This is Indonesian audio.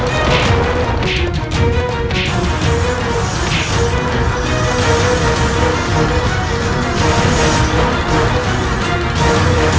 sampai jumpa di video selanjutnya